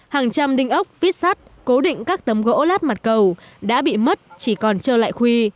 hàng trăm đinh ốc vít sắt cố định các tấm gỗ lát mặt cầu đã bị mất chỉ còn trơ lại khuy